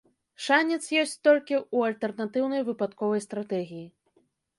Шанец ёсць толькі ў альтэрнатыўнай выпадковай стратэгіі.